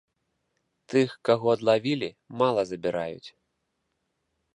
Тых каго адлавілі, мала забіраюць.